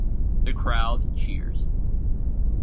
The crowd cheers.